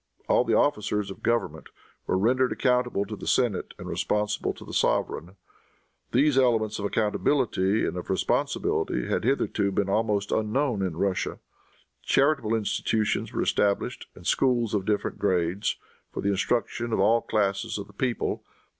All the officers of government were rendered accountable to the senate, and responsible to the sovereign. These elements of accountability and of responsibility had hitherto been almost unknown in Russia. Charitable institutions were established, and schools of different grades, for the instruction of all classes of the people.